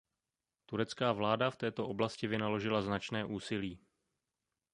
Turecká vláda v této oblasti vynaložila značné úsilí.